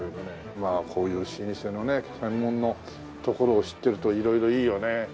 まあこういう老舗のね専門の所を知ってると色々いいよね。